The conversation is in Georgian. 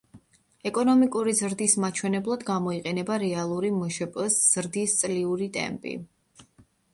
ეკონომიკური ზრდის მაჩვენებლად გამოიყენება რეალური მშპ-ის ზრდის წლიური ტემპი.